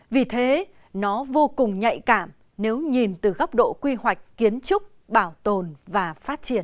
vì thế nó vô cùng nhạy cảm nếu nhìn từ góc độ quy hoạch kiến trúc bảo tồn và phát triển